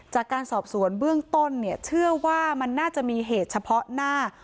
จากการสอบสวนเบื้องต้นเนี่ยเชื่อว่ามันน่าจะมีเหตุเฉพาะหน้า